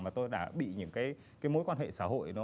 mà tôi đã bị những cái mối quan hệ xã hội nó